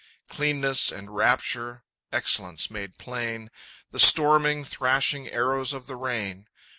Cleanness and rapture excellence made plain The storming, thrashing arrows of the rain!